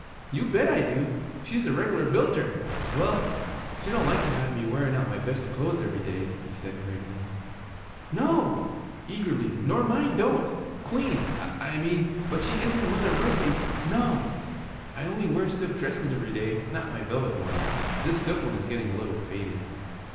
'You bet I do! She's a reg'lar builter! Well, she don't like to have me wearin' out my best clo'es every day,' he said gravely. 'No,' eagerly, 'nor mine don't. Queen, I mean, but she isn't a mother, mercy, no! I only wear silk dresses every day, not my velvet ones. This silk one is getting a little faded.'